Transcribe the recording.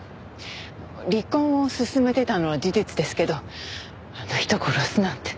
離婚を進めてたのは事実ですけどあの人を殺すなんて。